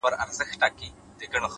صبر د بریا اوږده پټه لاره ده